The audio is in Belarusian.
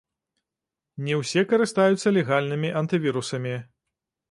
Не ўсе карыстаюцца легальнымі антывірусамі.